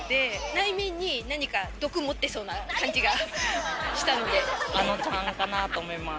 内面に何か毒持ってそうな感あのちゃんかなと思います。